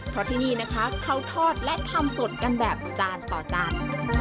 เพราะที่นี่นะคะเขาทอดและทำสดกันแบบจานต่อจาน